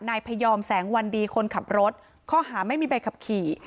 พยอมแสงวันดีคนขับรถข้อหาไม่มีใบขับขี่